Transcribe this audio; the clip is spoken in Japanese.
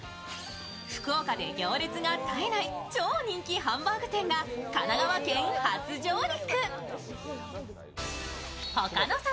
福岡で行列が絶えない、超人気ハンバーグ店が神奈川県初上陸。